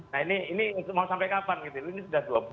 nah ini mau sampai kapan gitu ini sudah selama